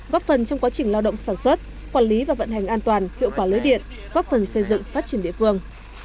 góp phần trong quá trình lao động sản xuất quản lý và vận hành an toàn hiệu quả lưới điện góp phần xây dựng phát triển địa phương